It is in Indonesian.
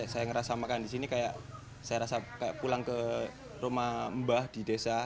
saya ngerasa makan di sini kayak saya rasa kayak pulang ke rumah mbah di desa